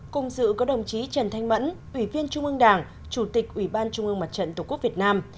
cùng dự có đồng chí trần thanh mẫn ủy viên trung ương đảng chủ tịch ủy ban trung ương mặt trận tổ quốc việt nam